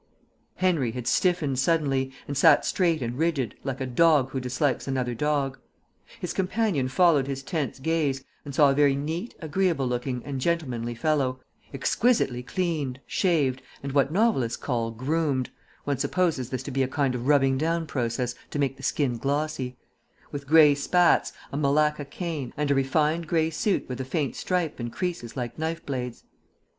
Henry had stiffened suddenly, and sat straight and rigid, like a dog who dislikes another dog. His companion followed his tense gaze, and saw a very neat, agreeable looking and gentlemanly fellow, exquisitely cleaned, shaved, and what novelists call groomed (one supposes this to be a kind of rubbing down process, to make the skin glossy), with gray spats, a malacca cane, and a refined gray suit with a faint stripe and creases like knife blades.